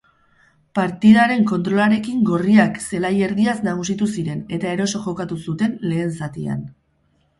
Partidaren kontrolarekin gorriak zelai-erdiaz nagusitu ziren eta eroso jokatu zuten lehen zatian.